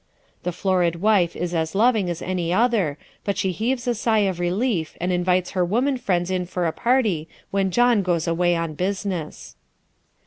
¶ The florid wife is as loving as any other but she heaves a sigh of relief and invites her women friends in for a party when John goes away on business.